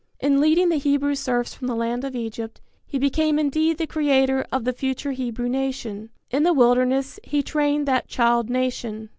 In leading the Hebrew serfs from the land of Egypt, he became indeed the creator of the future Hebrew nation. In the wilderness be trained that child nation.